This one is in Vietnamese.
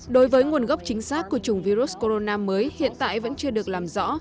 đối với nguồn gốc chính xác của chủng virus corona mới hiện tại vẫn chưa được làm rõ